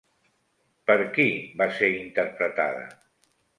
Per qui va ser interpretada?